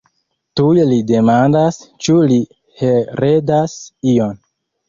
Tuj li demandas, ĉu li heredas ion.